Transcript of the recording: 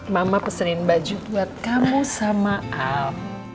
mama pesenin baju buat kamu sama al